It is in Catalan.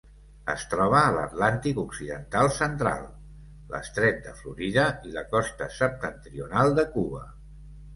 Es troba a l'Atlàntic occidental central: l'estret de Florida i la costa septentrional de Cuba.